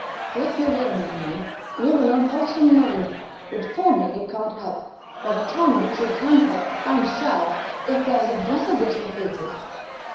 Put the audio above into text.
"Look you here, my man; you've an unwholesome mind, which probably you can't help, but a tongue which you can help, and shall! If there is a breath of this repeated